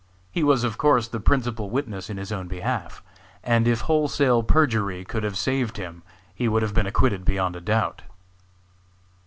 He was of course the principal witness in his own behalf, and if wholesale perjury could have saved him he would have been acquitted beyond a doubt.